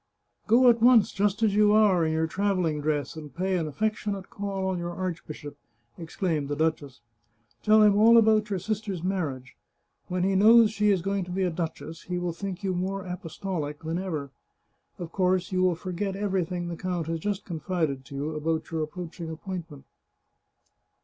" Go at once, just as you are, in your travelling dress, and pay an affectionate call on your archbishop," exclaimed 187 The Chartreuse of Parma the duchess. " Tell him all about your sister's marriage. When he knows she is going to be a duchess he will think you more apostolic than ever. Of course, you will forget everything the count has just confided to you about your approaching appointment."